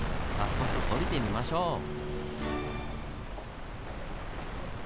早速下りてみましょう！